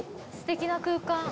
すてきな空間。